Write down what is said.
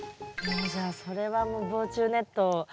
もうじゃあそれはもう防虫ネットを。